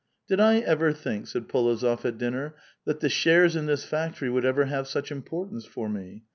"Did I ever think," said P61ozof at dinner, "that the shares in this factory would ever have such importance for me